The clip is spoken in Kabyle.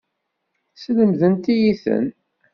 Slemdent-iyi-ten.